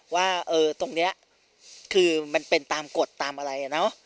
ว่าเออตรงเนี้ยคือมันเป็นตามกฎตามอะไรอ่ะเนอะ